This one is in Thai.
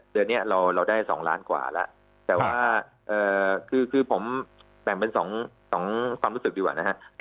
ตอนนี้เราได้๒ล้านบาทผมดังมาเป็นความรู้สึกดีกว่า